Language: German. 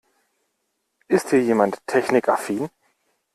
Ist hier jemand technikaffin?